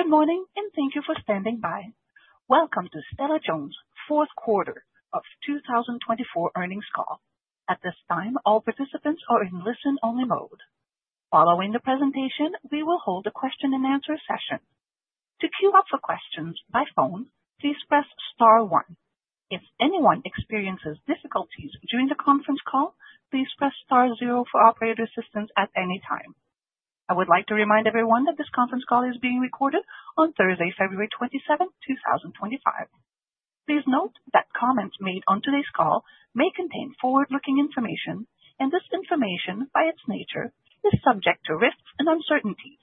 Good morning, and thank you for standing by. Welcome to Stella-Jones' Fourth Quarter of 2024 earnings call. At this time, all participants are in listen-only mode. Following the presentation, we will hold a question-and-answer session. To queue up for questions by phone, please press star one. If anyone experiences difficulties during the conference call, please press star zero for operator assistance at any time. I would like to remind everyone that this conference call is being recorded on Thursday, February 27, 2025. Please note that comments made on today's call may contain forward-looking information, and this information, by its nature, is subject to risks and uncertainties.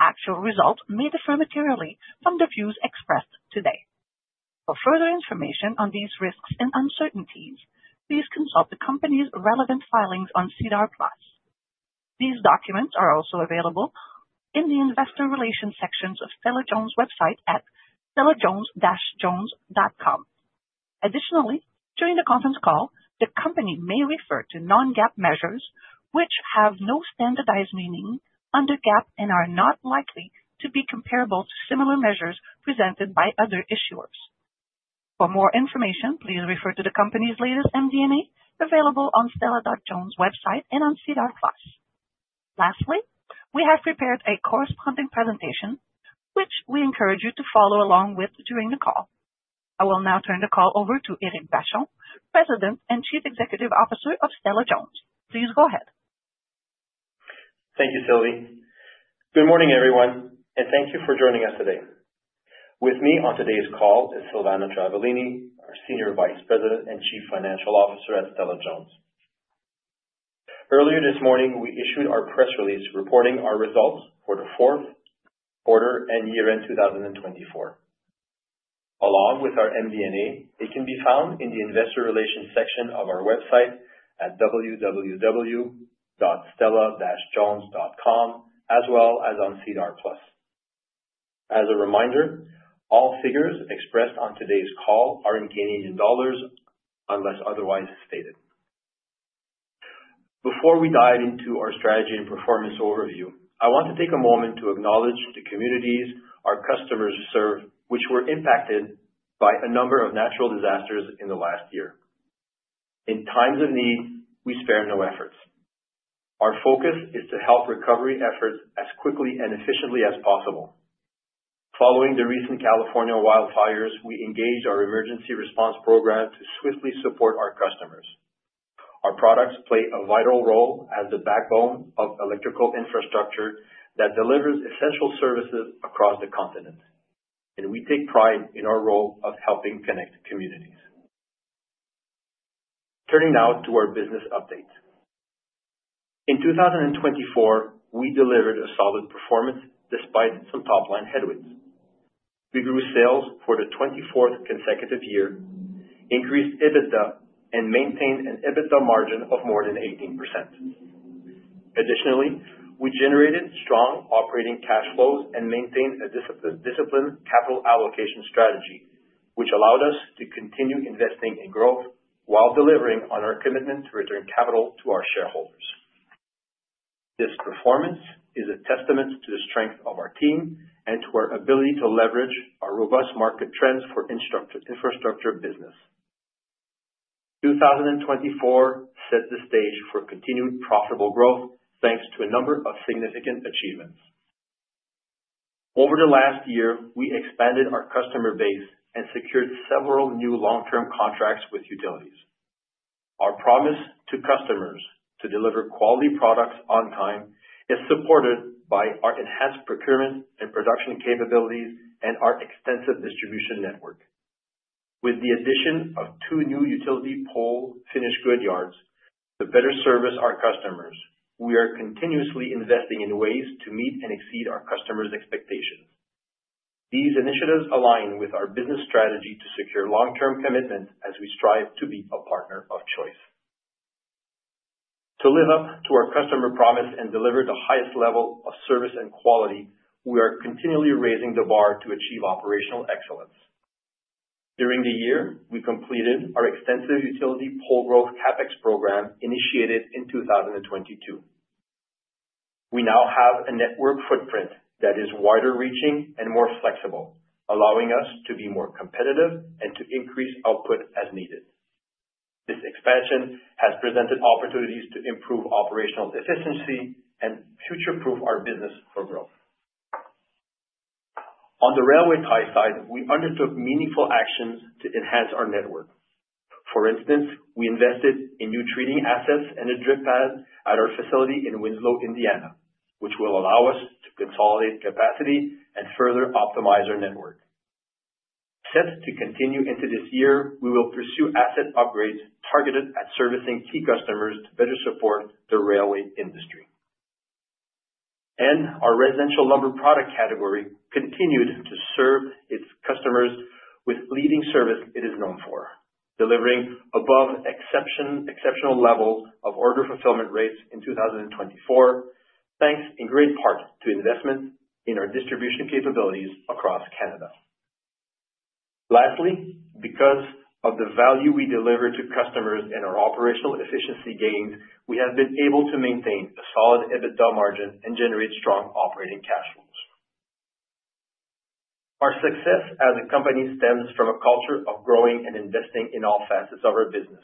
Actual results may differ materially from the views expressed today. For further information on these risks and uncertainties, please consult the company's relevant filings on SEDAR+. These documents are also available in the investor relations section of Stella-Jones' website at stella-jones.com. Additionally, during the conference call, the company may refer to non-GAAP measures, which have no standardized meaning under GAAP and are not likely to be comparable to similar measures presented by other issuers. For more information, please refer to the company's latest MD&A available on Stella-Jones' website and on SEDAR+. Lastly, we have prepared a corresponding presentation, which we encourage you to follow along with during the call. I will now turn the call over to Éric Vachon, President and Chief Executive Officer of Stella-Jones. Please go ahead. Thank you, Sylvie. Good morning, everyone, and thank you for joining us today. With me on today's call is Silvana Travaglini, our Senior Vice President and Chief Financial Officer at Stella-Jones. Earlier this morning, we issued our press release reporting our results for the fourth quarter and year-end 2024. Along with our MD&A, it can be found in the investor relations section of our website at www.stella-jones.com, as well as on SEDAR+. As a reminder, all figures expressed on today's call are in Canadian dollars unless otherwise stated. Before we dive into our strategy and performance overview, I want to take a moment to acknowledge the communities our customers serve, which were impacted by a number of natural disasters in the last year. In times of need, we spare no efforts. Our focus is to help recovery efforts as quickly and efficiently as possible. Following the recent California wildfires, we engaged our emergency response program to swiftly support our customers. Our products play a vital role as the backbone of electrical infrastructure that delivers essential services across the continent, and we take pride in our role of helping connect communities. Turning now to our business updates. In 2024, we delivered a solid performance despite some top-line headwinds. We grew sales for the 24th consecutive year, increased EBITDA, and maintained an EBITDA margin of more than 18%. Additionally, we generated strong operating cash flows and maintained a disciplined capital allocation strategy, which allowed us to continue investing in growth while delivering on our commitment to return capital to our shareholders. This performance is a testament to the strength of our team and to our ability to leverage our robust market trends for infrastructure business. 2024 set the stage for continued profitable growth thanks to a number of significant achievements. Over the last year, we expanded our customer base and secured several new long-term contracts with utilities. Our promise to customers to deliver quality products on time is supported by our enhanced procurement and production capabilities and our extensive distribution network. With the addition of two new utility pole finished goods yards to better service our customers, we are continuously investing in ways to meet and exceed our customers' expectations. These initiatives align with our business strategy to secure long-term commitment as we strive to be a partner of choice. To live up to our customer promise and deliver the highest level of service and quality, we are continually raising the bar to achieve operational excellence. During the year, we completed our extensive utility pole growth CapEx program initiated in 2022. We now have a network footprint that is wider-reaching and more flexible, allowing us to be more competitive and to increase output as needed. This expansion has presented opportunities to improve operational efficiency and future-proof our business for growth. On the railway tie side, we undertook meaningful actions to enhance our network. For instance, we invested in new treating assets and a drip pad at our facility in Winslow, Indiana, which will allow us to consolidate capacity and further optimize our network. Set to continue into this year, we will pursue asset upgrades targeted at servicing key customers to better support the railway industry. And our residential lumber product category continued to serve its customers with leading service it is known for, delivering above exceptional levels of order fulfillment rates in 2024, thanks in great part to investment in our distribution capabilities across Canada. Lastly, because of the value we deliver to customers and our operational efficiency gains, we have been able to maintain a solid EBITDA margin and generate strong operating cash flows. Our success as a company stems from a culture of growing and investing in all facets of our business.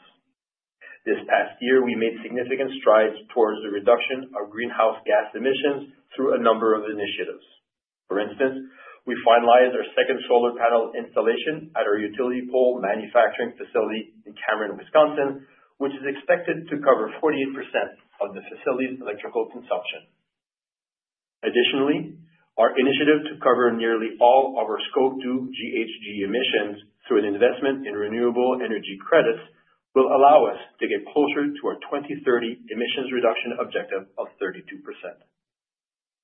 This past year, we made significant strides towards the reduction of greenhouse gas emissions through a number of initiatives. For instance, we finalized our second solar panel installation at our utility pole manufacturing facility in Cameron, Wisconsin, which is expected to cover 48% of the facility's electrical consumption. Additionally, our initiative to cover nearly all of our Scope 2 GHG emissions through an investment in renewable energy credits will allow us to get closer to our 2030 emissions reduction objective of 32%.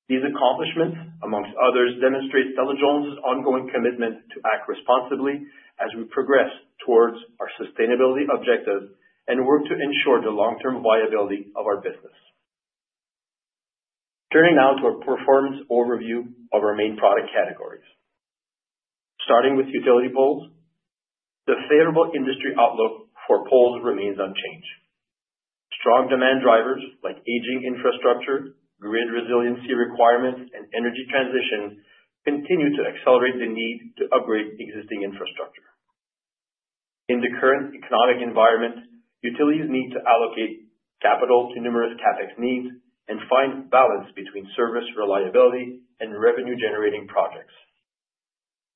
These accomplishments, among others, demonstrate Stella-Jones' ongoing commitment to act responsibly as we progress towards our sustainability objectives and work to ensure the long-term viability of our business. Turning now to our performance overview of our main product categories. Starting with utility Poles, the favorable industry outlook for poles remains unchanged. Strong demand drivers like aging infrastructure, grid resiliency requirements, and energy transition continue to accelerate the need to upgrade existing infrastructure. In the current economic environment, utilities need to allocate capital to numerous CapEx needs and find balance between service reliability and revenue-generating projects.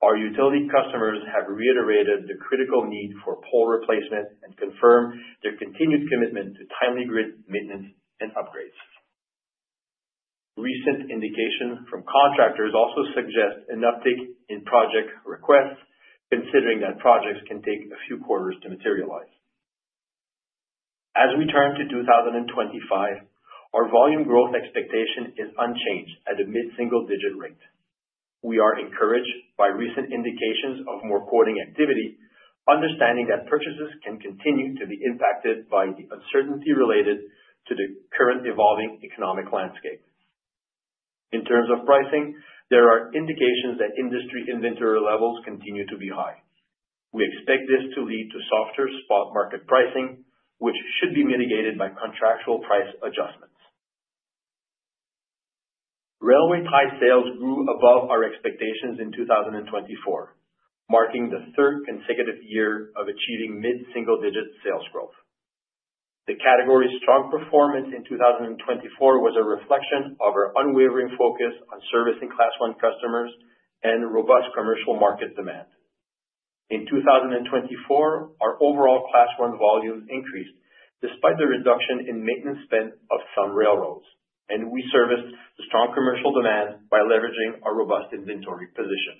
Our utility customers have reiterated the critical need for pole replacement and confirm their continued commitment to timely grid maintenance and upgrades. Recent indications from contractors also suggest an uptick in project requests, considering that projects can take a few quarters to materialize. As we turn to 2025, our volume growth expectation is unchanged at a mid-single-digit rate. We are encouraged by recent indications of more quoting activity, understanding that purchases can continue to be impacted by the uncertainty related to the current evolving economic landscape. In terms of pricing, there are indications that industry inventory levels continue to be high. We expect this to lead to softer spot market pricing, which should be mitigated by contractual price adjustments. Railway tie sales grew above our expectations in 2024, marking the third consecutive year of achieving mid-single-digit sales growth. The category's strong performance in 2024 was a reflection of our unwavering focus on servicing Class I customers and robust commercial market demand. In 2024, our overall Class I volume increased despite the reduction in maintenance spend of some railroads, and we serviced the strong commercial demand by leveraging our robust inventory position.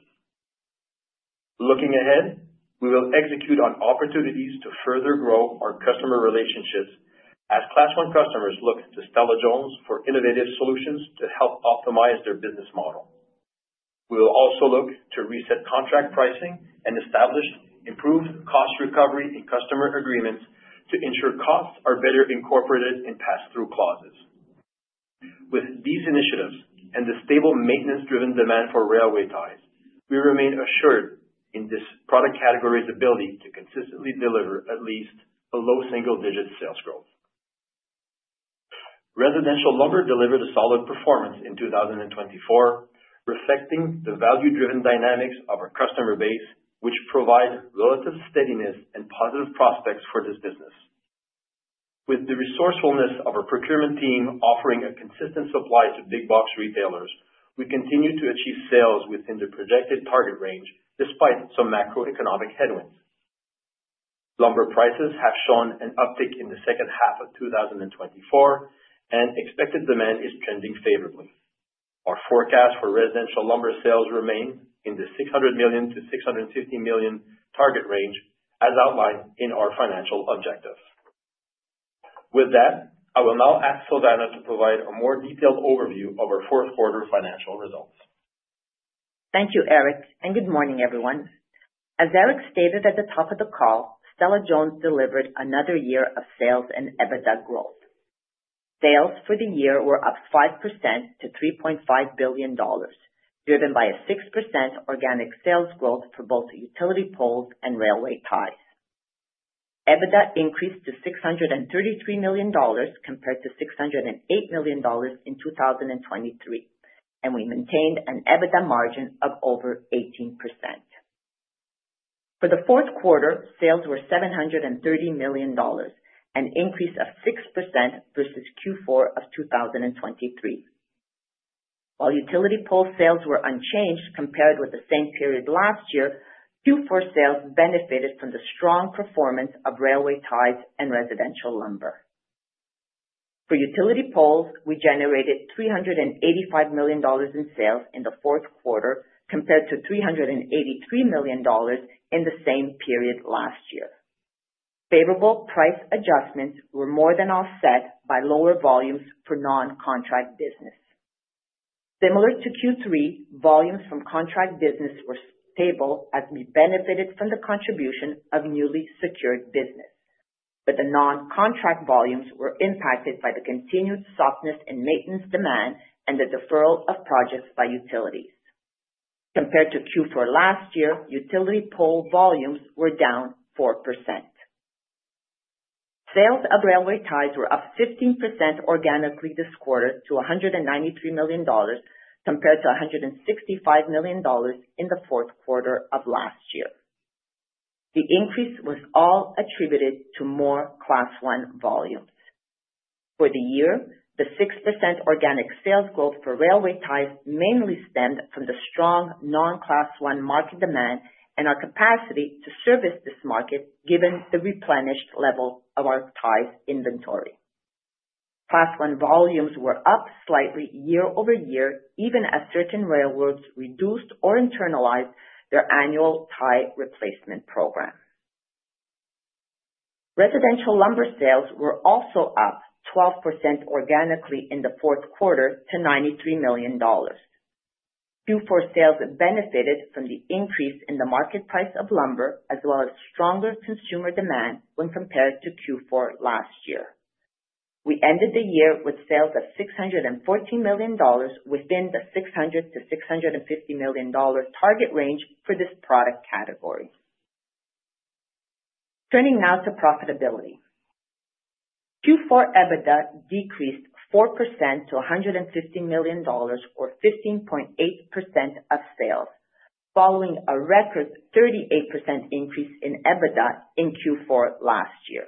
Looking ahead, we will execute on opportunities to further grow our customer relationships as Class I customers look to Stella-Jones for innovative solutions to help optimize their business model. We will also look to reset contract pricing and establish improved cost recovery and customer agreements to ensure costs are better incorporated in pass-through clauses. With these initiatives and the stable maintenance-driven demand for railway ties, we remain assured in this product category's ability to consistently deliver at least a low single-digit sales growth. Residential lumber delivered a solid performance in 2024, reflecting the value-driven dynamics of our customer base, which provide relative steadiness and positive prospects for this business. With the resourcefulness of our procurement team offering a consistent supply to big-box retailers, we continue to achieve sales within the projected target range despite some macroeconomic headwinds. Lumber prices have shown an uptick in the second half of 2024, and expected demand is trending favorably. Our forecast for residential lumber sales remains in the $600 million-$650 million target range, as outlined in our financial objectives. With that, I will now ask Silvana to provide a more detailed overview of our fourth quarter financial results. Thank you, Éric, and good morning, everyone. As Éric stated at the top of the call, Stella-Jones delivered another year of sales and EBITDA growth. Sales for the year were up 5% to $3.5 billion, driven by a 6% organic sales growth for both utility Poles and railway ties. EBITDA increased to $633 million compared to $608 million in 2023, and we maintained an EBITDA margin of over 18%. For the fourth quarter, sales were $730 million, an increase of 6% versus Q4 of 2023. While utility pole sales were unchanged compared with the same period last year, Q4 sales benefited from the strong performance of railway ties and residential lumber. For utility Poles, we generated $385 million in sales in the fourth quarter compared to $383 million in the same period last year. Favorable price adjustments were more than offset by lower volumes for non-contract business. Similar to Q3, volumes from contract business were stable as we benefited from the contribution of newly secured business, but the non-contract volumes were impacted by the continued softness in maintenance demand and the deferral of projects by utilities. Compared to Q4 last year, utility pole volumes were down 4%. Sales of railway ties were up 15% organically this quarter to 193 million dollars compared to 165 million dollars in the fourth quarter of last year. The increase was all attributed to more Class I volumes. For the year, the 6% organic sales growth for railway ties mainly stemmed from the strong non-Class I market demand and our capacity to service this market given the replenished level of our ties inventory. Class I volumes were up slightly year over year, even as certain railroads reduced or internalized their annual tie replacement program. Residential lumber sales were also up 12% organically in the fourth quarter to 93 million dollars. Q4 sales benefited from the increase in the market price of lumber, as well as stronger consumer demand when compared to Q4 last year. We ended the year with sales of 614 million dollars within the 600 million-650 million dollar target range for this product category. Turning now to profitability. Q4 EBITDA decreased 4% to 150 million dollars, or 15.8% of sales, following a record 38% increase in EBITDA in Q4 last year.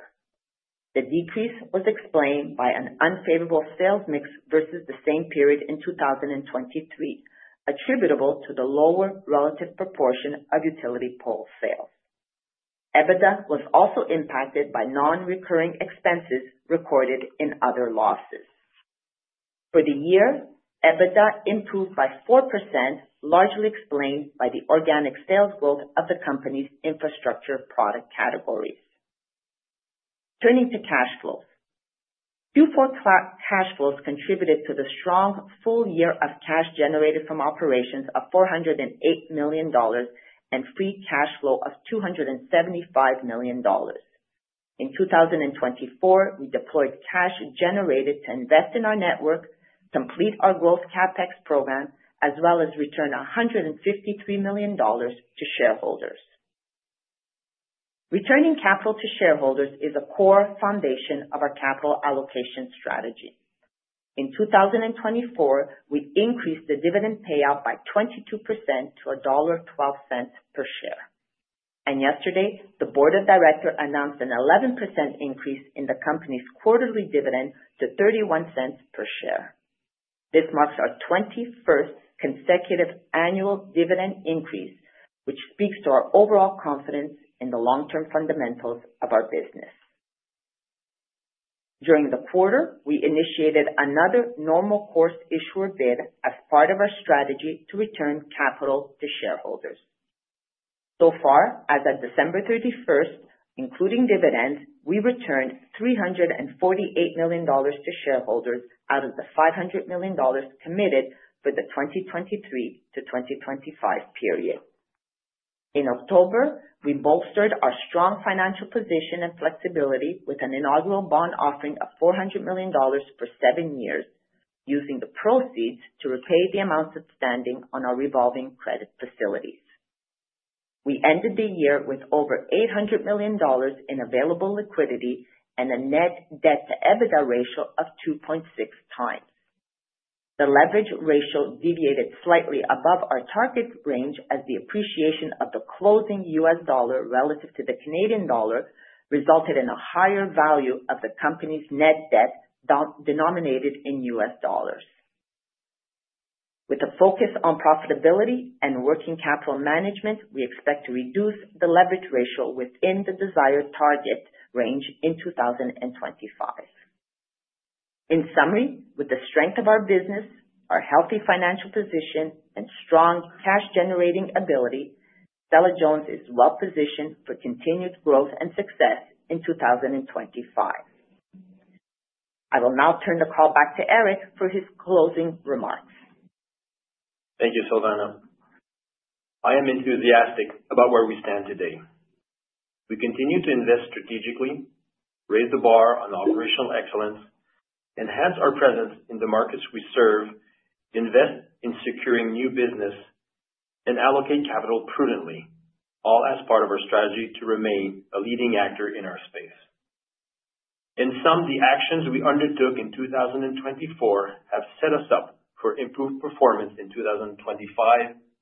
The decrease was explained by an unfavorable sales mix versus the same period in 2023, attributable to the lower relative proportion of utility pole sales. EBITDA was also impacted by non-recurring expenses recorded in other losses. For the year, EBITDA improved by 4%, largely explained by the organic sales growth of the company's infrastructure product categories. Turning to cash flows. Q4 cash flows contributed to the strong full year of cash generated from operations of 408 million dollars and free cash flow of 275 million dollars. In 2024, we deployed cash generated to invest in our network, complete our growth CapEx program, as well as return 153 million dollars to shareholders. Returning capital to shareholders is a core foundation of our capital allocation strategy. In 2024, we increased the dividend payout by 22% to dollar 1.12 per share. And yesterday, the board of directors announced an 11% increase in the company's quarterly dividend to 0.31 per share. This marks our 21st consecutive annual dividend increase, which speaks to our overall confidence in the long-term fundamentals of our business. During the quarter, we initiated another Normal Course Issuer Bid as part of our strategy to return capital to shareholders. So far, as of December 31st, including dividends, we returned 348 million dollars to shareholders out of the 500 million dollars committed for the 2023 to 2025 period. In October, we bolstered our strong financial position and flexibility with an inaugural bond offering of 400 million dollars for seven years, using the proceeds to repay the amounts outstanding on our revolving credit facilities. We ended the year with over 800 million dollars in available liquidity and a net debt-to-EBITDA ratio of 2.6 times. The leverage ratio deviated slightly above our target range as the appreciation of the closing U.S. dollar relative to the Canadian dollar resulted in a higher value of the company's net debt denominated in U.S. dollars. With a focus on profitability and working capital management, we expect to reduce the leverage ratio within the desired target range in 2025. In summary, with the strength of our business, our healthy financial position, and strong cash-generating ability, Stella-Jones is well-positioned for continued growth and success in 2025. I will now turn the call back to Éric for his closing remarks. Thank you, Silvana. I am enthusiastic about where we stand today. We continue to invest strategically, raise the bar on operational excellence, enhance our presence in the markets we serve, invest in securing new business, and allocate capital prudently, all as part of our strategy to remain a leading actor in our space. In sum, the actions we undertook in 2024 have set us up for improved performance in 2025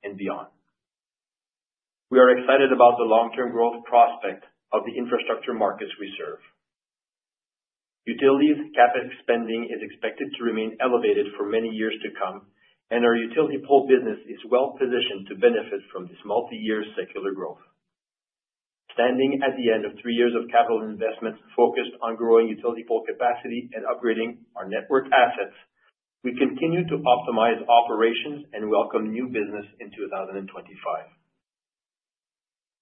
and beyond. We are excited about the long-term growth prospect of the infrastructure markets we serve. Utilities CapEx spending is expected to remain elevated for many years to come, and our utility pole business is well-positioned to benefit from this multi-year secular growth. Standing at the end of three years of capital investments focused on growing utility pole capacity and upgrading our network assets, we continue to optimize operations and welcome new business in 2025.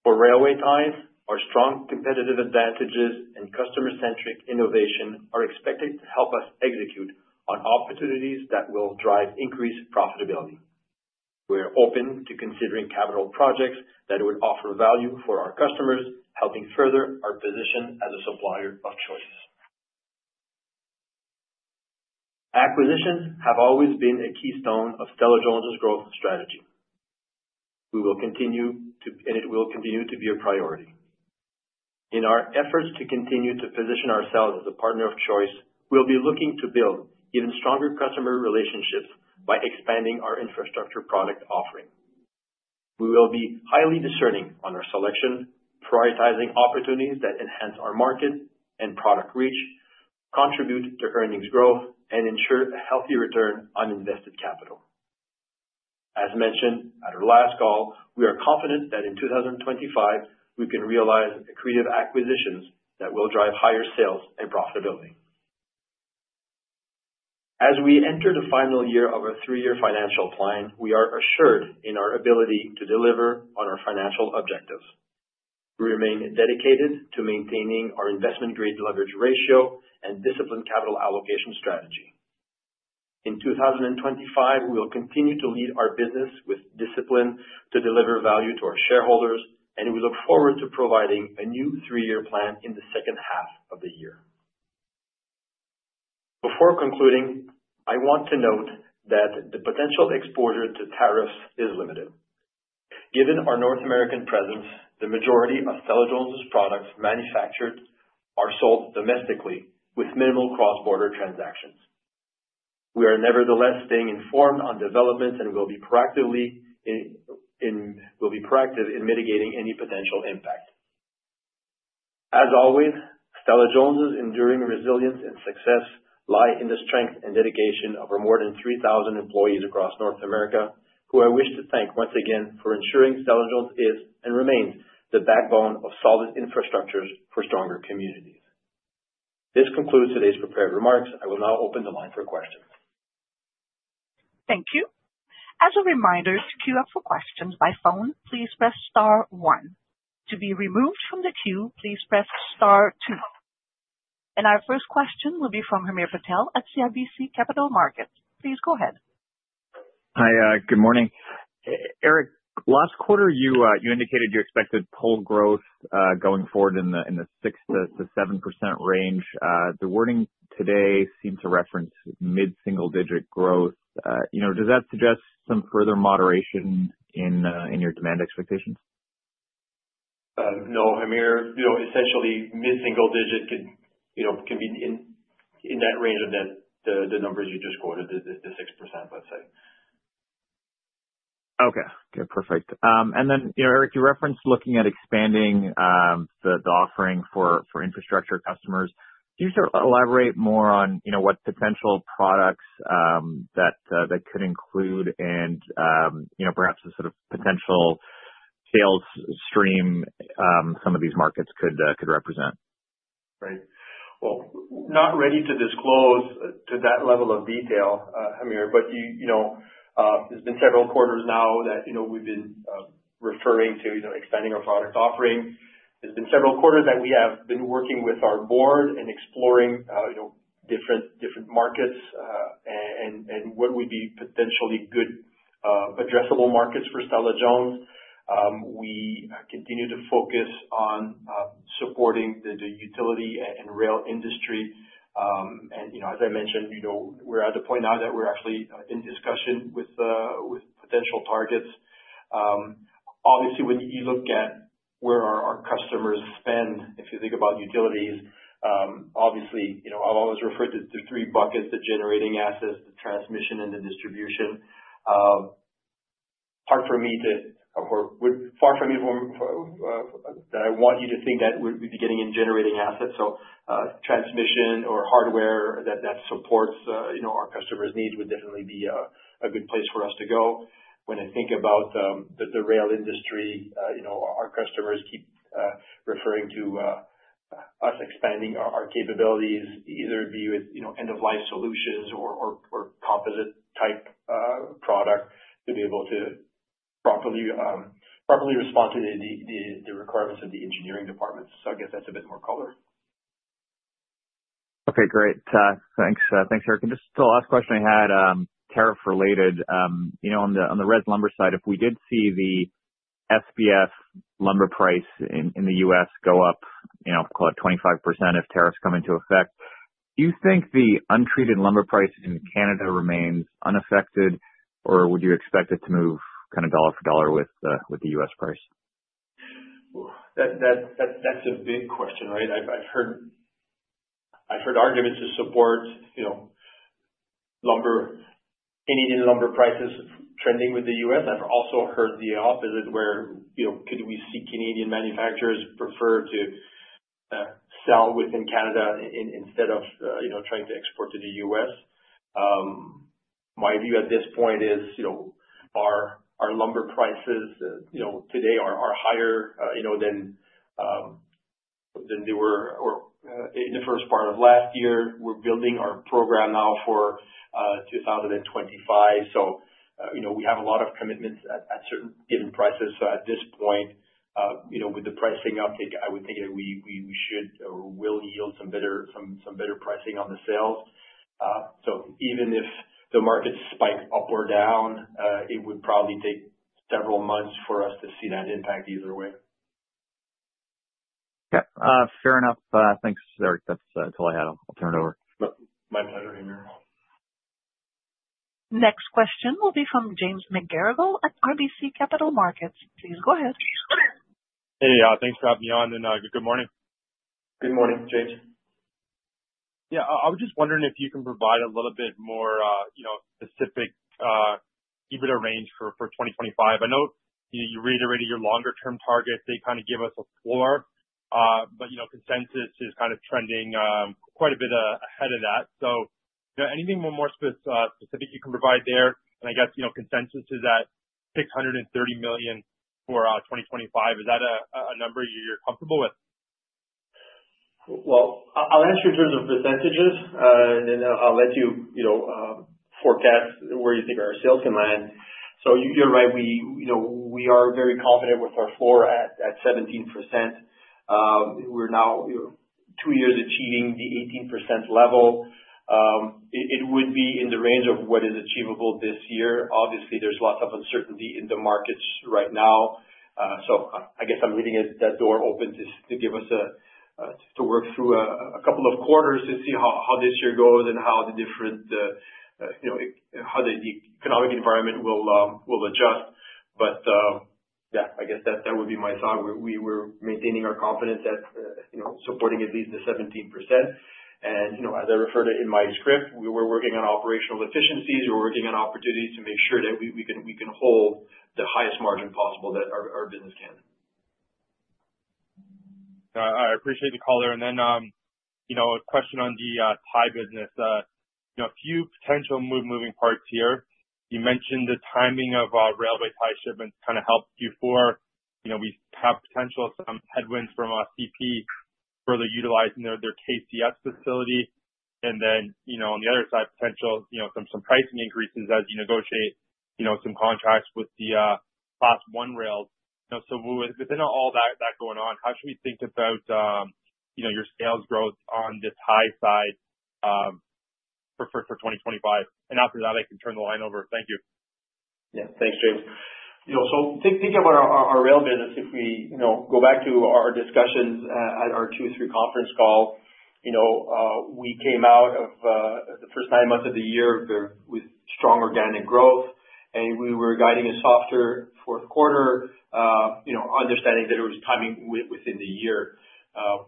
For railway ties, our strong competitive advantages and customer-centric innovation are expected to help us execute on opportunities that will drive increased profitability. We are open to considering capital projects that would offer value for our customers, helping further our position as a supplier of choice. Acquisitions have always been a keystone of Stella-Jones' growth strategy. We will continue, and it will continue to be a priority. In our efforts to continue to position ourselves as a partner of choice, we'll be looking to build even stronger customer relationships by expanding our infrastructure product offering. We will be highly discerning on our selection, prioritizing opportunities that enhance our market and product reach, contribute to earnings growth, and ensure a healthy return on invested capital. As mentioned at our last call, we are confident that in 2025, we can realize accretive acquisitions that will drive higher sales and profitability. As we enter the final year of our three-year financial plan, we are assured in our ability to deliver on our financial objectives. We remain dedicated to maintaining our investment-grade leverage ratio and disciplined capital allocation strategy. In 2025, we will continue to lead our business with discipline to deliver value to our shareholders, and we look forward to providing a new three-year plan in the second half of the year. Before concluding, I want to note that the potential exposure to tariffs is limited. Given our North American presence, the majority of Stella-Jones' products manufactured are sold domestically with minimal cross-border transactions. We are nevertheless staying informed on developments and will be proactive in mitigating any potential impact. As always, Stella-Jones' enduring resilience and success lie in the strength and dedication of our more than 3,000 employees across North America, who I wish to thank once again for ensuring Stella-Jones is and remains the backbone of solid infrastructures for stronger communities. This concludes today's prepared remarks. I will now open the line for questions. Thank you. As a reminder to queue up for questions by phone, please press Star 1. To be removed from the queue, please press Star 2. And our first question will be from Hamir Patel at CIBC Capital Markets. Please go ahead. Hi, good morning. Éric, last quarter, you indicated you expected pole growth going forward in the 6%-7% range. The wording today seems to reference mid-single-digit growth. Does that suggest some further moderation in your demand expectations? No, Hamir, essentially mid-single-digit can be in that range of the numbers you just quoted, the 6%, let's say. Okay. Okay, perfect. And then, Éric, you referenced looking at expanding the offering for infrastructure customers. Can you elaborate more on what potential products that could include and perhaps the sort of potential sales stream some of these markets could represent? Right. Not ready to disclose to that level of detail, Hamir, but there's been several quarters now that we've been referring to expanding our product offering. There's been several quarters that we have been working with our board and exploring different markets and what would be potentially good addressable markets for Stella-Jones. We continue to focus on supporting the utility and rail industry. As I mentioned, we're at the point now that we're actually in discussion with potential targets. Obviously, when you look at where our customers spend, if you think about utilities, obviously, I've always referred to the three buckets: the generating assets, the transmission, and the distribution. Far from me to far from me that I want you to think that we'd be getting in generating assets. Transmission or hardware that supports our customers' needs would definitely be a good place for us to go. When I think about the rail industry, our customers keep referring to us expanding our capabilities, either be with end-of-life solutions or composite-type product to be able to properly respond to the requirements of the engineering departments. So I guess that's a bit more color. Okay, great. Thanks, Éric. And just the last question I had, tariff-related. On the residential lumber side, if we did see the SPF lumber price in the U.S. go up, call it 25%, if tariffs come into effect, do you think the untreated lumber price in Canada remains unaffected, or would you expect it to move kind of dollar for dollar with the U.S. price? That's a big question, right? I've heard arguments to support Canadian lumber prices trending with the U.S.. I've also heard the opposite, where could we see Canadian manufacturers prefer to sell within Canada instead of trying to export to the U.S.? My view at this point is our lumber prices today are higher than they were in the first part of last year. We're building our program now for 2025. So we have a lot of commitments at certain given prices. So at this point, with the pricing uptake, I would think that we should or will yield some better pricing on the sales. So even if the markets spike up or down, it would probably take several months for us to see that impact either way. Yeah. Fair enough. Thanks, Éric. That's all I had. I'll turn it over. My pleasure, Hamir. Next question will be from James McGarragle at RBC Capital Markets. Please go ahead. Hey, thanks for having me on. Good morning. Good morning, James. Yeah. I was just wondering if you can provide a little bit more specific EBITDA range for 2025. I know you reiterated your longer-term targets. They kind of give us a floor, but consensus is kind of trending quite a bit ahead of that. So anything more specific you can provide there? And I guess consensus is at 630 million for 2025. Is that a number you're comfortable with? I'll answer in terms of percentages, and I'll let you forecast where you think our sales can land, so you're right. We are very confident with our floor at 17%. We're now two years achieving the 18% level. It would be in the range of what is achievable this year. Obviously, there's lots of uncertainty in the markets right now, so I guess I'm leaving that door open to give us to work through a couple of quarters to see how this year goes and how the economic environment will adjust, but yeah, I guess that would be my thought. We're maintaining our confidence at supporting at least the 17%, and as I referred to in my script, we're working on operational efficiencies. We're working on opportunities to make sure that we can hold the highest margin possible that our business can. I appreciate the call there. And then a question on the tie business. A few potential moving parts here. You mentioned the timing of railway tie shipments kind of helped you for. We have potential some headwinds from CP further utilizing their KCS facility. And then on the other side, potential some pricing increases as you negotiate some contracts with the Class I rails. So within all that going on, how should we think about your sales growth on the tie side for 2025? And after that, I can turn the line over. Thank you. Yeah. Thanks, James. So thinking about our rail business, if we go back to our discussions at our Q3 conference call, we came out of the first nine months of the year with strong organic growth, and we were guiding a softer fourth quarter, understanding that it was timing within the year.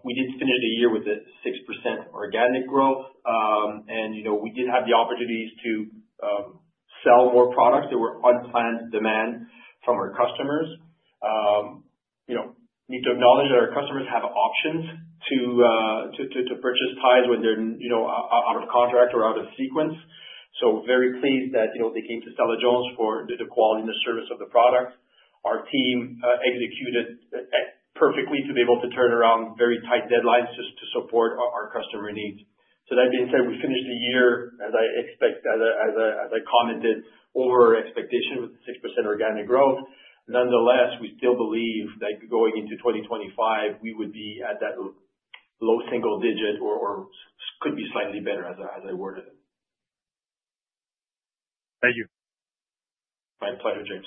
We did finish the year with a 6% organic growth, and we did have the opportunities to sell more products. There were unplanned demands from our customers. Need to acknowledge that our customers have options to purchase ties when they're out of contract or out of sequence. So very pleased that they came to Stella-Jones for the quality and the service of the product. Our team executed perfectly to be able to turn around very tight deadlines just to support our customer needs. So that being said, we finished the year, as I expected, as I commented, over our expectation with 6% organic growth. Nonetheless, we still believe that going into 2025, we would be at that low single-digit or could be slightly better, as I worded it. Thank you. My pleasure, James.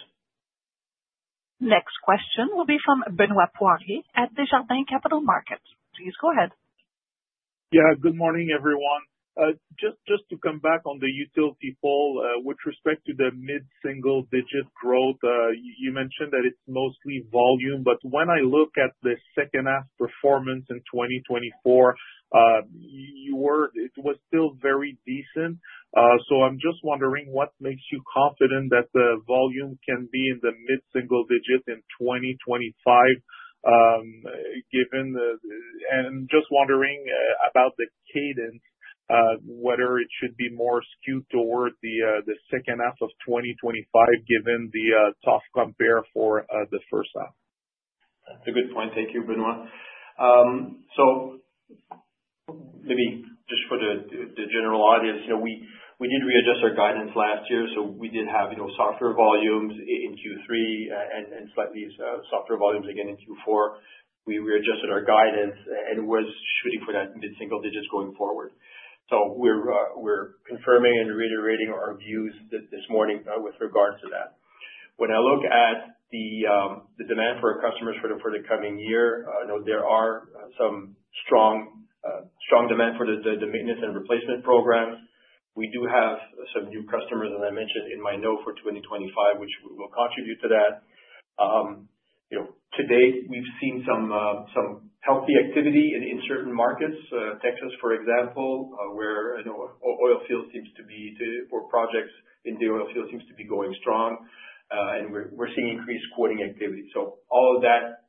Next question will be from Benoît Poirier at Desjardins Capital Markets. Please go ahead. Yeah. Good morning, everyone. Just to come back on the utility pole, with respect to the mid-single-digit growth, you mentioned that it's mostly volume, but when I look at the second-half performance in 2024, it was still very decent. So I'm just wondering what makes you confident that the volume can be in the mid-single-digit in 2025, given the and just wondering about the cadence, whether it should be more skewed toward the second half of 2025, given the tough compare for the first half. That's a good point. Thank you, Benoît. So maybe just for the general audience, we did readjust our guidance last year. So we did have softer volumes in Q3 and slightly softer volumes again in Q4. We readjusted our guidance, and it was shooting for that mid-single-digit going forward. So we're confirming and reiterating our views this morning with regards to that. When I look at the demand for our customers for the coming year, there are some strong demand for the maintenance and replacement programs. We do have some new customers, as I mentioned in my note for 2025, which will contribute to that. To date, we've seen some healthy activity in certain markets, Texas, for example, where oil fields seems to be or projects in the oil field seems to be going strong. And we're seeing increased quoting activity. So all of that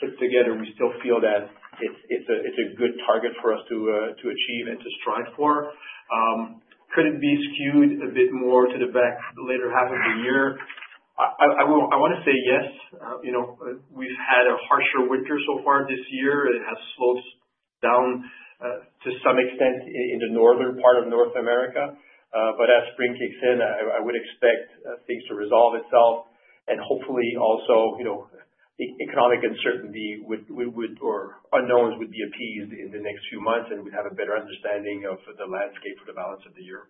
put together, we still feel that it's a good target for us to achieve and to strive for. Could it be skewed a bit more to the latter half of the year? I want to say yes. We've had a harsher winter so far this year. It has slowed down to some extent in the northern part of North America. But as spring kicks in, I would expect things to resolve itself. And hopefully, also economic uncertainty or unknowns would be appeased in the next few months, and we'd have a better understanding of the landscape for the balance of the year.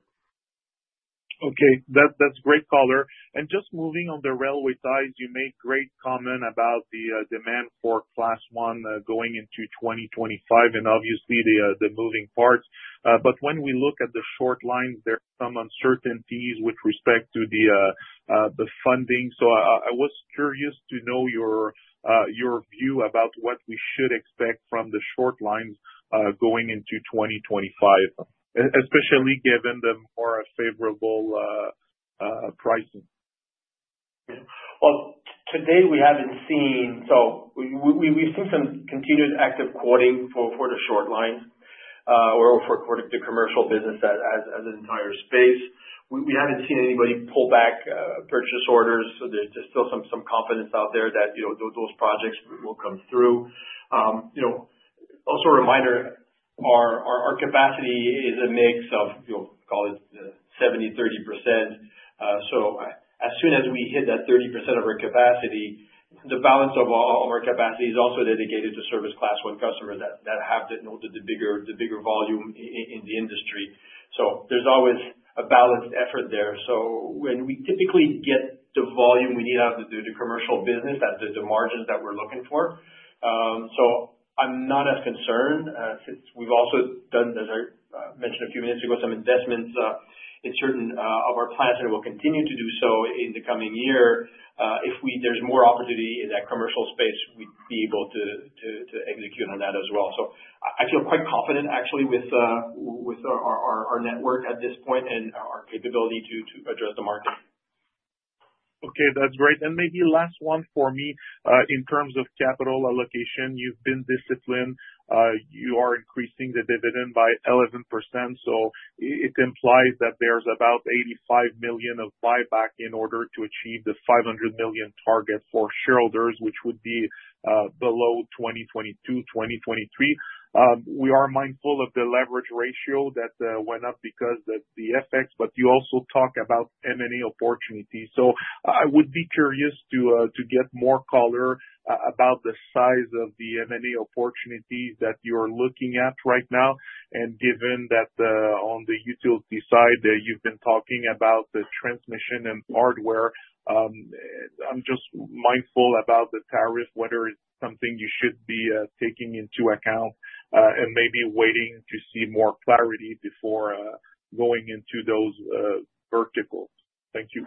Okay. That's great color, and just moving on the railway ties, you made great comment about the demand for Class I going into 2025 and obviously the moving parts, but when we look at the short lines, there are some uncertainties with respect to the funding, so I was curious to know your view about what we should expect from the short lines going into 2025, especially given the more favorable pricing. Today we've seen some continued active quoting for the short line or for the commercial business as an entire space. We haven't seen anybody pull back purchase orders, so there's still some confidence out there that those projects will come through. Also a reminder, our capacity is a mix of, call it 70%-30%. As soon as we hit that 30% of our capacity, the balance of our capacity is also dedicated to service Class I that have the bigger volume in the industry, so there's always a balanced effort there. When we typically get the volume we need out of the commercial business, that's the margins that we're looking for. So I'm not as concerned since we've also done, as I mentioned a few minutes ago, some investments in certain of our plants and will continue to do so in the coming year. If there's more opportunity in that commercial space, we'd be able to execute on that as well. So I feel quite confident, actually, with our network at this point and our capability to address the market. Okay. That's great. And maybe last one for me. In terms of capital allocation, you've been disciplined. You are increasing the dividend by 11%. So it implies that there's about 85 million of buyback in order to achieve the 500 million target for shareholders, which would be below 2022, 2023. We are mindful of the leverage ratio that went up because of the effects, but you also talk about M&A opportunities. So I would be curious to get more color about the size of the M&A opportunities that you're looking at right now. And given that on the utility side, you've been talking about the transmission and hardware, I'm just mindful about the tariff, whether it's something you should be taking into account and maybe waiting to see more clarity before going into those verticals. Thank you.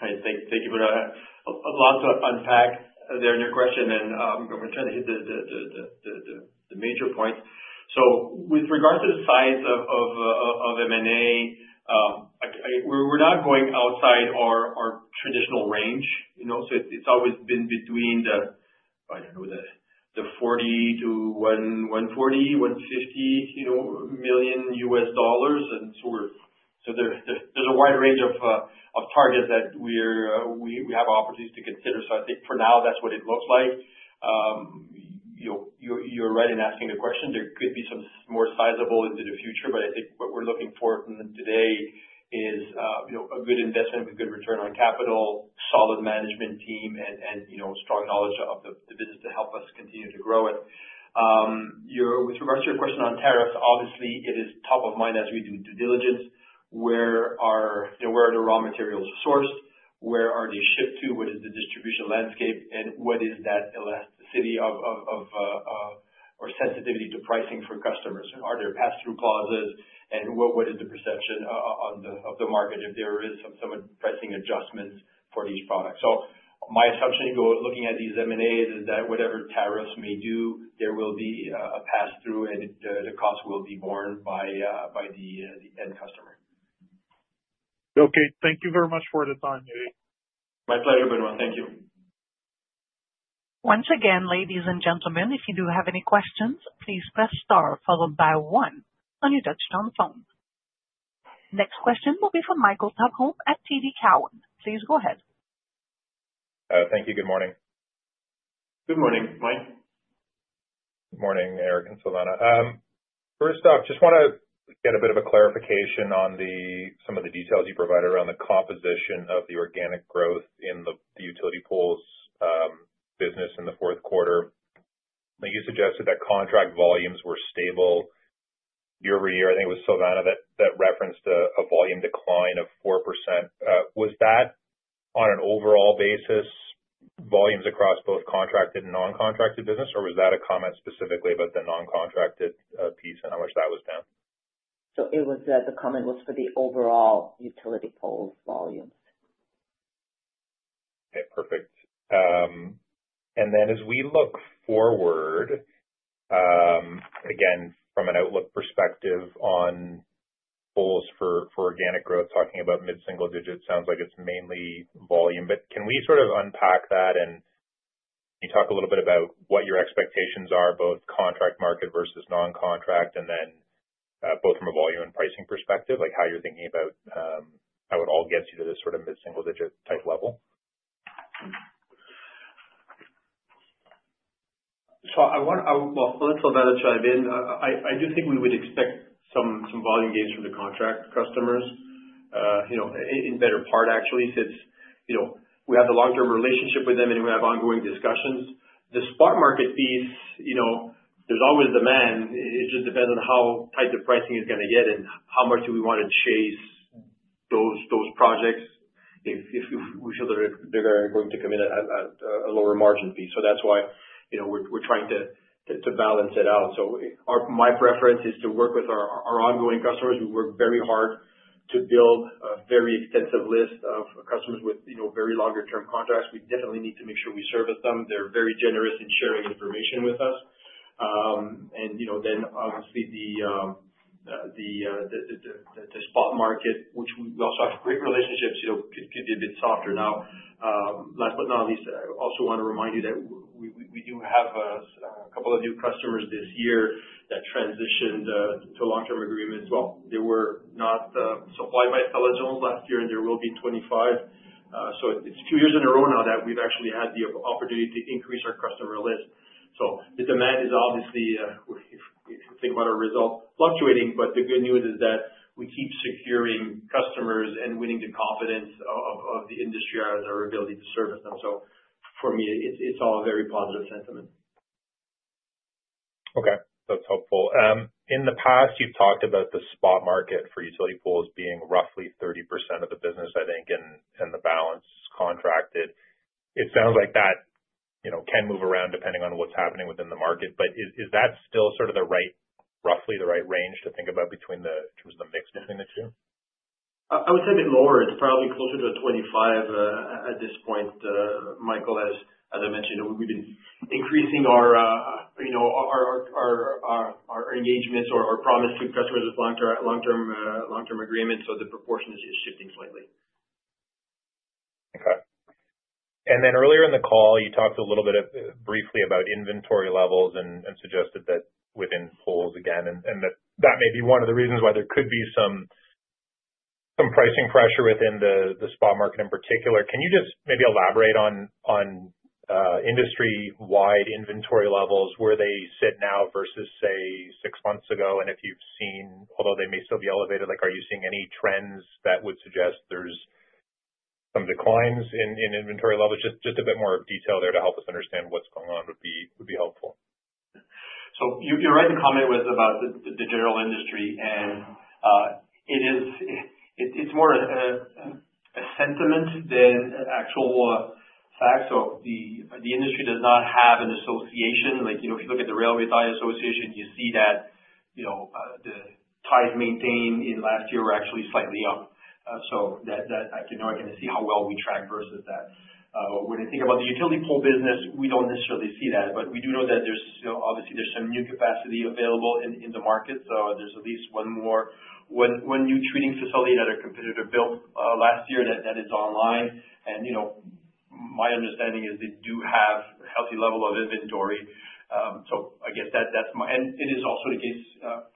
Thank you, Benoît. Lots to unpack there in your question, and I'm going to try to hit the major points. So with regards to the size of M&A, we're not going outside our traditional range. So it's always been between the, I don't know, the $40 million to $140 million-$150 million. And so there's a wide range of targets that we have opportunities to consider. So I think for now, that's what it looks like. You're right in asking the question. There could be some more sizable into the future, but I think what we're looking for today is a good investment with good return on capital, solid management team, and strong knowledge of the business to help us continue to grow it. With regards to your question on tariffs, obviously, it is top of mind as we do due diligence. Where are the raw materials sourced? Where are they shipped to? What is the distribution landscape? And what is that elasticity or sensitivity to pricing for customers? Are there pass-through clauses, and what is the perception of the market if there are some pricing adjustments for these products? So my assumption looking at these M&As is that whatever tariffs may do, there will be a pass-through, and the cost will be borne by the end customer. Okay. Thank you very much for the time, today. My pleasure, Benoît. Thank you. Once again, ladies and gentlemen, if you do have any questions, please press star followed by one on your touch-tone phone. Next question will be from Michael Tupholme at TD Cowen. Please go ahead. Thank you. Good morning. Good morning, Mike. Good morning, Éric and Silvana. First off, just want to get a bit of a clarification on some of the details you provided around the composition of the organic growth in the utility Poles business in the fourth quarter. You suggested that contract volumes were stable year over year. I think it was Silvana that referenced a volume decline of 4%. Was that on an overall basis, volumes across both contracted and non-contracted business, or was that a comment specifically about the non-contracted piece and how much that was down? The comment was for the overall utility poles volumes. Okay. Perfect. And then as we look forward, again, from an outlook perspective on poles for organic growth, talking about mid-single-digit, sounds like it's mainly volume. But can we sort of unpack that and talk a little bit about what your expectations are, both contract market versus non-contract, and then both from a volume and pricing perspective, how you're thinking about how it all gets you to this sort of mid-single-digit type level? So I want to let Silvana chime in. I do think we would expect some volume gains from the contract customers in better part, actually, since we have the long-term relationship with them and we have ongoing discussions. The spot market piece, there's always demand. It just depends on how tight the pricing is going to get and how much do we want to chase those projects if we feel that they're going to come in at a lower margin piece. So that's why we're trying to balance it out. So my preference is to work with our ongoing customers. We work very hard to build a very extensive list of customers with very longer-term contracts. We definitely need to make sure we service them. They're very generous in sharing information with us. And then, obviously, the spot market, which we also have great relationships, could be a bit softer now. Last but not least, I also want to remind you that we do have a couple of new customers this year that transitioned to long-term agreements. Well, they were not supplied by Stella-Jones last year, and there will be 25. So it's a few years in a row now that we've actually had the opportunity to increase our customer list. So the demand is obviously, if you think about our result, fluctuating. But the good news is that we keep securing customers and winning the confidence of the industry as our ability to service them. So for me, it's all a very positive sentiment. Okay. That's helpful. In the past, you've talked about the spot market for utility poles being roughly 30% of the business, I think, and the balance contracted. It sounds like that can move around depending on what's happening within the market. But is that still sort of roughly the right range to think about in terms of the mix between the two? I would say a bit lower. It's probably closer to 25 at this point, Michael, as I mentioned. We've been increasing our engagements or promise to customers with long-term agreements. So the proportion is shifting slightly. Okay. And then earlier in the call, you talked a little bit briefly about inventory levels and suggested that within poles again, and that may be one of the reasons why there could be some pricing pressure within the spot market in particular. Can you just maybe elaborate on industry-wide inventory levels, where they sit now versus, say, six months ago? And if you've seen, although they may still be elevated, are you seeing any trends that would suggest there's some declines in inventory levels? Just a bit more detail there to help us understand what's going on would be helpful. So you're right. The comment was about the general industry. And it's more a sentiment than actual facts. So the industry does not have an association. If you look at the Railway tie association, you see that the ties maintained in last year were actually slightly up. So I can see how well we track versus that. When I think about the utility pole business, we don't necessarily see that. But we do know that obviously, there's some new capacity available in the market. So there's at least one new treating facility that a competitor built last year that is online. And my understanding is they do have a healthy level of inventory. So I guess that's my and it is also the case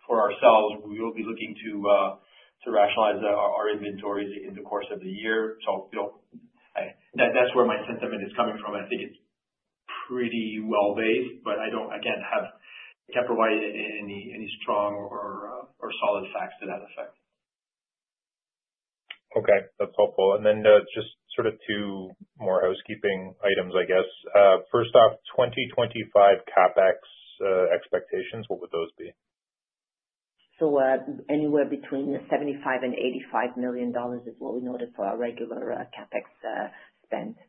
for ourselves. We will be looking to rationalize our inventories in the course of the year. So that's where my sentiment is coming from. I think it's pretty well-based, but I can't provide any strong or solid facts to that effect. Okay. That's helpful. And then just sort of two more housekeeping items, I guess. First off, 2025 CapEx expectations, what would those be? Anywhere between 75 million and 85 million dollars is what we noted for our regular CapEx spend.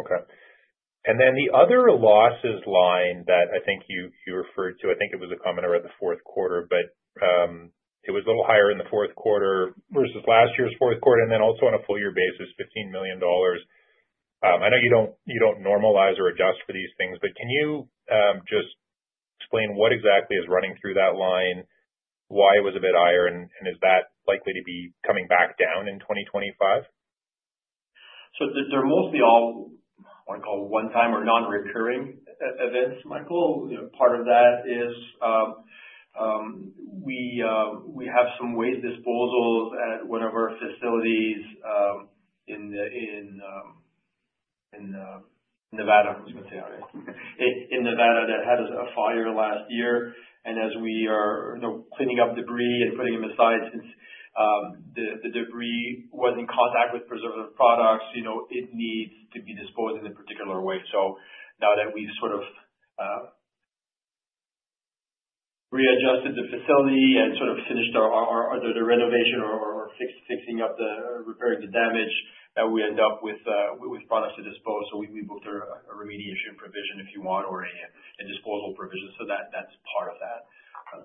Okay. And then the other losses line that I think you referred to, I think it was a comment around the fourth quarter, but it was a little higher in the fourth quarter versus last year's fourth quarter, and then also on a full-year basis, 15 million dollars. I know you don't normalize or adjust for these things, but can you just explain what exactly is running through that line, why it was a bit higher, and is that likely to be coming back down in 2025? So they're mostly all, I want to call, one-time or non-recurring events, Michael. Part of that is we have some waste disposals at one of our facilities in Nevada. I was going to say, okay, in Nevada that had a fire last year. And as we are cleaning up debris and putting them aside, since the debris was in contact with preservative products, it needs to be disposed in a particular way. So now that we've sort of readjusted the facility and sort of finished the renovation or fixing up, repairing the damage, that we end up with products to dispose. So we booked a remediation provision, if you want, or a disposal provision. So that's part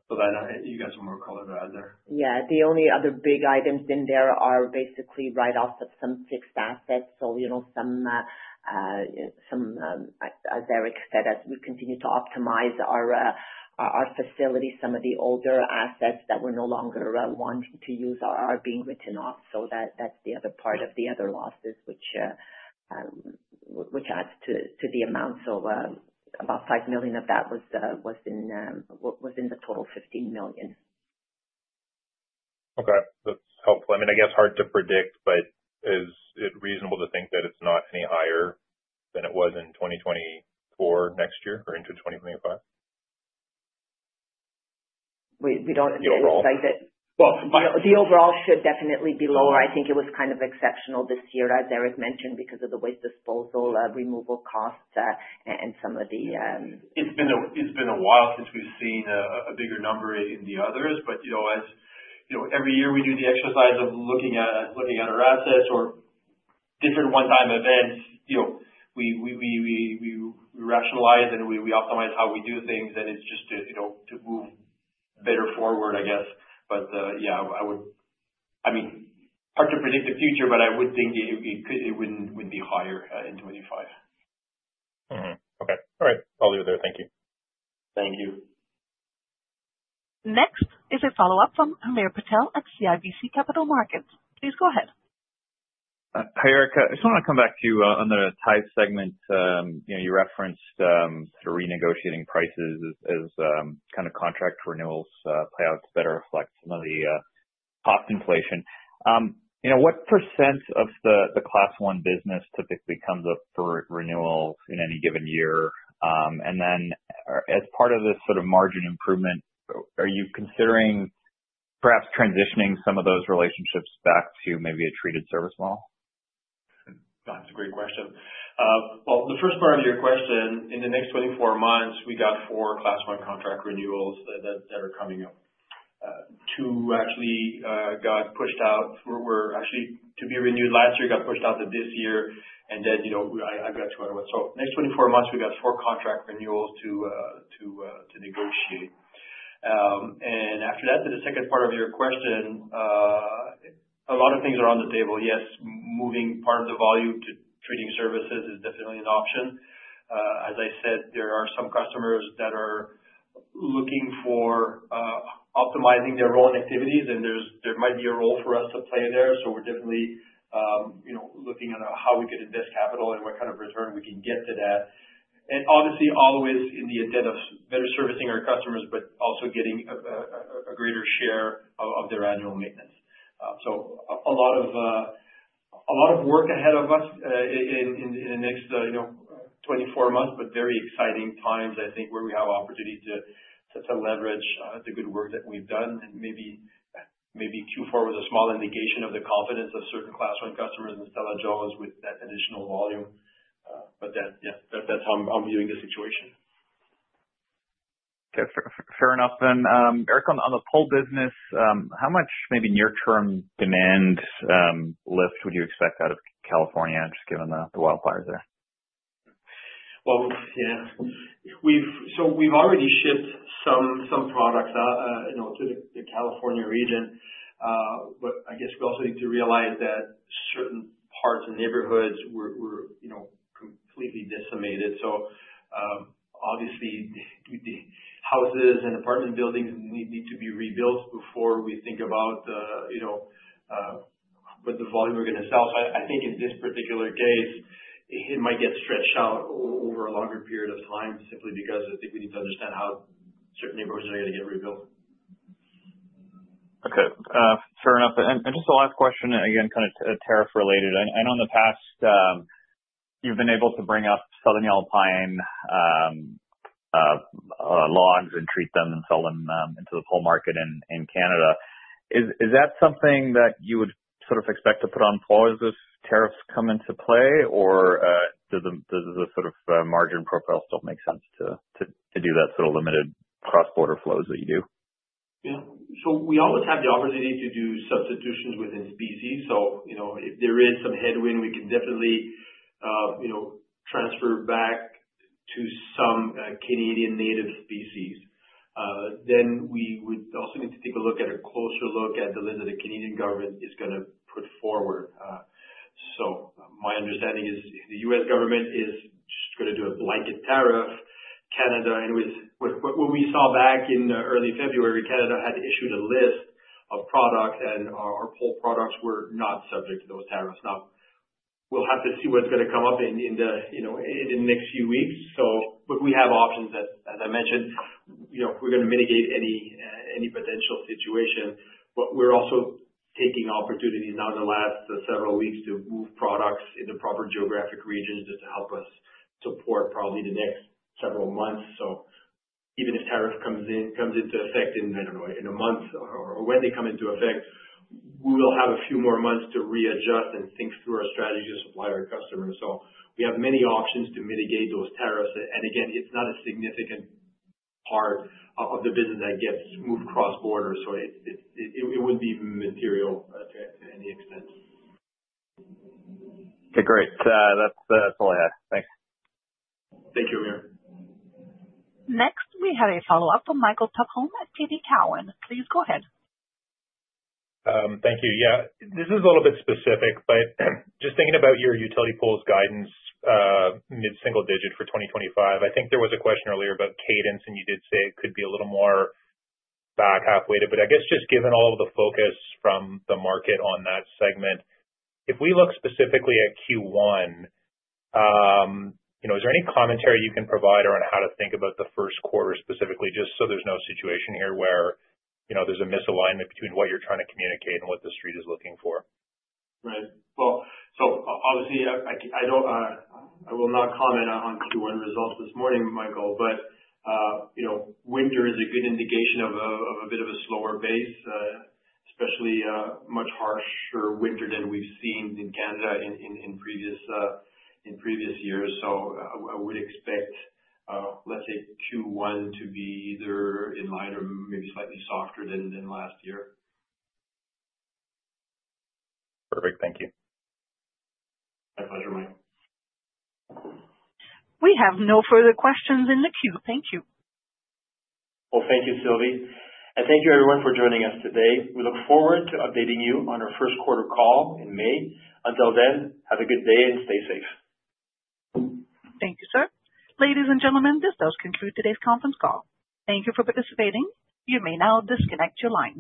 of that. Silvana, you got some more color to add there? Yeah. The only other big items in there are basically write-offs of some fixed assets. So as Éric said, as we continue to optimize our facility, some of the older assets that we're no longer wanting to use are being written off. So that's the other part of the other losses, which adds to the amount. So about 5 million of that was in the total 15 million. Okay. That's helpful. I mean, I guess hard to predict, but is it reasonable to think that it's not any higher than it was in 2024 next year or into 2025? We don't expect that. The overall should definitely be lower. I think it was kind of exceptional this year, as Éric mentioned, because of the waste disposal removal costs and some of the. It's been a while since we've seen a bigger number in the others. But every year, we do the exercise of looking at our assets or different one-time events. We rationalize and we optimize how we do things, and it's just to move better forward, I guess. But yeah, I mean, hard to predict the future, but I would think it wouldn't be higher in 2025. Okay. All right. I'll leave it there. Thank you. Thank you. Next is a follow-up from Hamir Patel at CIBC Capital Markets. Please go ahead. Hi, Éric. I just want to come back to another tie segment. You referenced renegotiating prices as kind of contract renewals play out to better reflect some of the cost inflation. What % of the Class I business typically comes up for renewals in any given year? And then as part of this sort of margin improvement, are you considering perhaps transitioning some of those relationships back to maybe a treating service model? That's a great question. Well, the first part of your question, in the next 24 months, we got four Class I contract renewals that are coming up. Two actually got pushed out. We're actually to be renewed last year, got pushed out to this year. And then I've got two other ones. So next 24 months, we got four contract renewals to negotiate. And after that, to the second part of your question, a lot of things are on the table. Yes, moving part of the volume to treating services is definitely an option. As I said, there are some customers that are looking for optimizing their own activities, and there might be a role for us to play there. So we're definitely looking at how we could invest capital and what kind of return we can get to that. And obviously, always in the intent of better servicing our customers, but also getting a greater share of their annual maintenance. So a lot of work ahead of us in the next 24 months, but very exciting times, I think, where we have opportunity to leverage the good work that we've done. And maybe Q4 was a small indication of the confidence of certain Class I customers and Stella-Jones with that additional volume. But yeah, that's how I'm viewing the situation. Okay. Fair enough then. Éric, on the pole business, how much maybe near-term demand lift would you expect out of California, just given the wildfires there? Well, yeah. So we've already shipped some products to the California region. But I guess we also need to realize that certain parts and neighborhoods were completely decimated. So obviously, houses and apartment buildings need to be rebuilt before we think about what the volume we're going to sell. So I think in this particular case, it might get stretched out over a longer period of time simply because I think we need to understand how certain neighborhoods are going to get rebuilt. Okay. Fair enough. And just the last question, again, kind of tariff-related. I know in the past, you've been able to bring up Southern Yellow Pine logs and treat them and sell them into the pole market in Canada. Is that something that you would sort of expect to put on pause if tariffs come into play, or does the sort of margin profile still make sense to do that sort of limited cross-border flows that you do? Yeah. So we always have the opportunity to do substitutions within species, so if there is some headwind, we can definitely transfer back to some Canadian native species. Then we would also need to take a closer look at the list that the Canadian government is going to put forward, so my understanding is the U.S. government is just going to do a blanket tariff. Canada, and with what we saw back in early February, Canada had issued a list of products, and our pole products were not subject to those tariffs. Now, we'll have to see what's going to come up in the next few weeks, but we have options, as I mentioned, if we're going to mitigate any potential situation. But we're also taking opportunities now in the last several weeks to move products in the proper geographic regions just to help us support probably the next several months. So even if tariff comes into effect in, I don't know, in a month or when they come into effect, we will have a few more months to readjust and think through our strategy to supply our customers. So we have many options to mitigate those tariffs. And again, it's not a significant part of the business that gets moved cross-border. So it wouldn't be material to any extent. Okay. Great. That's all I had. Thanks. Thank you, Hamir. Next, we have a follow-up from Michael Tupholme at TD Cowen. Please go ahead. Thank you. Yeah. This is a little bit specific, but just thinking about your Utility poles guidance mid-single-digit for 2025, I think there was a question earlier about cadence, and you did say it could be a little more back half weighted. But I guess just given all of the focus from the market on that segment, if we look specifically at Q1, is there any commentary you can provide around how to think about the first quarter specifically, just so there's no situation here where there's a misalignment between what you're trying to communicate and what the Street is looking for? Right. Well, so obviously, I will not comment on Q1 results this morning, Michael, but winter is a good indication of a bit of a slower base, especially much harsher winter than we've seen in Canada in previous years. So I would expect, let's say, Q1 to be either in line or maybe slightly softer than last year. Perfect. Thank you. My pleasure, Mike. We have no further questions in the queue. Thank you. Thank you, Sylvie. Thank you, everyone, for joining us today. We look forward to updating you on our first quarter call in May. Until then, have a good day and stay safe. Thank you, sir. Ladies and gentlemen, this does conclude today's conference call. Thank you for participating. You may now disconnect your lines.